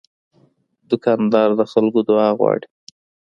دوکاندار د خلکو دعا غواړي.